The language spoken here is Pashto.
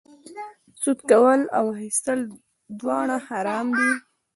سود کول او اخیستل دواړه حرام دي